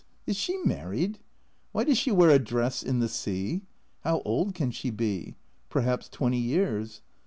"Is she married?" "Why does she wear a dress in the sea?" "How old can she be?" "Perhaps twenty years."